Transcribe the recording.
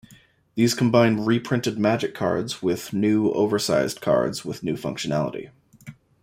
These combine reprinted "Magic" cards with new, oversize cards with new functionality.